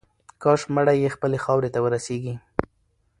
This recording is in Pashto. کاش مړی یې خپلې خاورې ته ورسیږي.